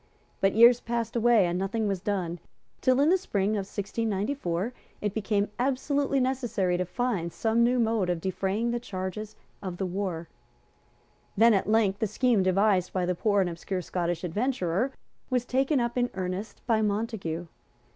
But years passed away; and nothing was done, till, in the spring of 1694, it became absolutely necessary to find some new mode of defraying the charges of the war. Then at length the scheme devised by the poor and obscure Scottish adventurer was taken up in earnest by Montague.